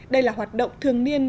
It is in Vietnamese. đây là hoạt động thường niên